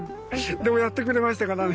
でもやってくれましたからね。